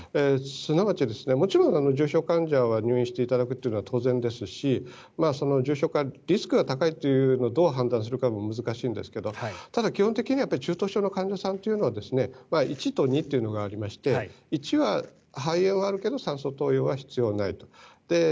すなわち、もちろん重症患者は入院していただくのは当然ですしその重症化リスクが高いというのをどう判断するかは難しいんですけどただ基本的には中等症の患者さんというのは１と２というのがありまして１は、肺炎はあるけど酸素投与は必要ないと。